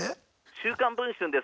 「『週刊文春』です。